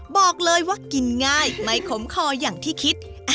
บอกเลยว่ากินง่ายไม่ขมคออย่างที่คิด